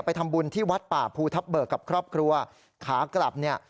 ทำบุญที่วัดป่าภูทับเบิกกับครอบครัวขากลับเนี่ย